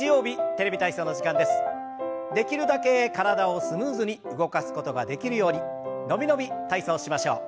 できるだけ体をスムーズに動かすことができるように伸び伸び体操しましょう。